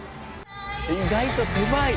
意外と狭い！